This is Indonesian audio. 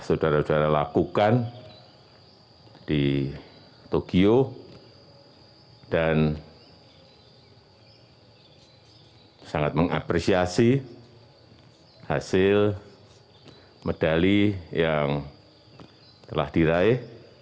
saudara saudara lakukan di tokyo dan sangat mengapresiasi hasil medali yang telah diraih